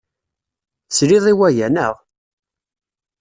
Tesliḍ i waya, naɣ?